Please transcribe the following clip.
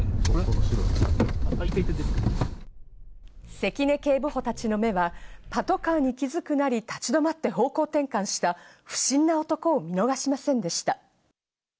関根警部補たちの目はパトカーに気付くなり立ち止まって方向転換した不審な男を見逃しませんでした。